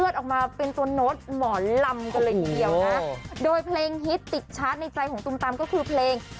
โดยเพลงฮิตติดชาร์จในใจของตุ๋มตามก็คือเพลง